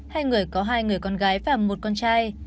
hai người có hai người con gái và một con trai